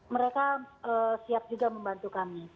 mereka siap juga membantu kami